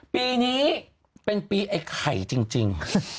ปีนี้เป็นปีไอ้ไข่จริง